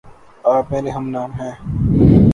آپ میرے ہم نام ہےـ